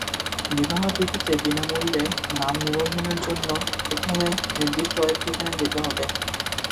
বিবাহবিডিতে বিনা মূল্যে নাম নিবন্ধনের জন্য প্রথমে নির্দিষ্ট ওয়েব ঠিকানায় যেতে হবে।